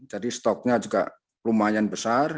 jadi stoknya juga lumayan besar